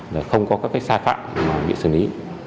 là không có các cái sai phạm mà bị xử lý